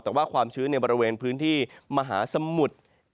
แต่ว่าความชื้นในบริเวณพื้นที่มหาสมุทร